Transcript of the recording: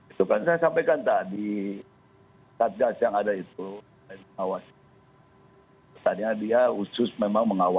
itu kan saya sampaikan tadi